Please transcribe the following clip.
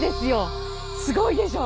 すごいでしょ？